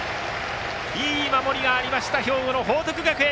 いい守りがありました兵庫の報徳学園。